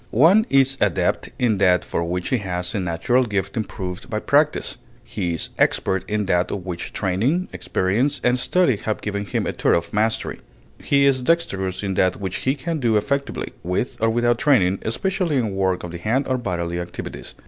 One is adept in that for which he has a natural gift improved by practise; he is expert in that of which training, experience, and study have given him a thorough mastery; he is dexterous in that which he can do effectively, with or without training, especially in work of the hand or bodily activities.